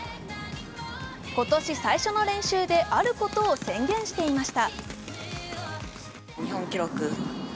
今年最初の練習であることを宣言していました。